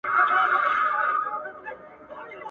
ایوب خان وویل: دا نجلۍ څوک ده؟